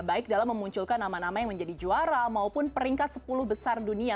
baik dalam memunculkan nama nama yang menjadi juara maupun peringkat sepuluh besar dunia